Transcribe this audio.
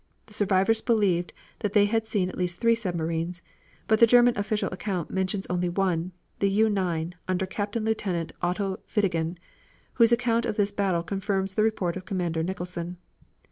The survivors believed that they had seen at least three submarines, but the German official account mentions only one, the U 9, under Captain Lieutenant Otto Weddigen whose account of this battle confirms the report of Commander Nicholson.